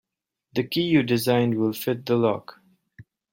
The key you designed will fit the lock.